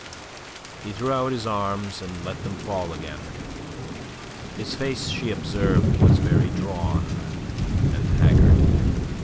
He threw out his arms, and let them fall again. His face she observed was very drawn and haggard.